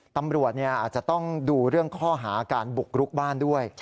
ตำรวจอาจจะต้องดูเรื่องข้อหาการบุกรุกบ้านด้วย